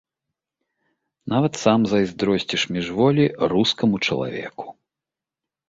Нават сам зайздросціш міжволі рускаму чалавеку.